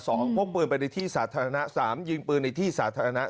พกปืนไปในที่สาธารณะสามยิงปืนในที่สาธารณะ